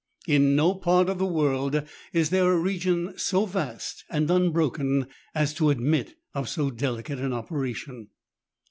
In no part of the world is there a region so vast and unbroken as to admit of so delicate an operation.